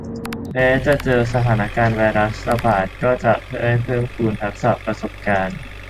แม้จะเจอสถานการณ์ไวรัสระบาดก็จะได้เพิ่มพูนทักษะประสบการณ์